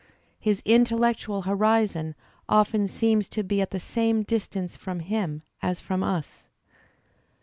His intellectual horizon often seems to be at the same distance from him as from us.